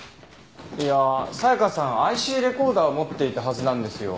いや紗香さんＩＣレコーダーを持っていたはずなんですよ。